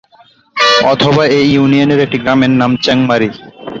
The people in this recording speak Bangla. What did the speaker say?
অথবা এ ইউনিয়নের একটি গ্রামের নাম চেংমারি।